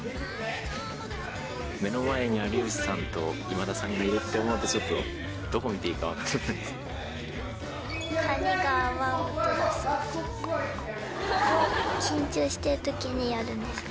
目の前に有吉さんと今田さんがいるって思うと、ちょっとどこ見ていいか分からないですね。